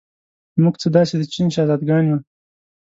موږ څه داسې د چین شهزادګان یو.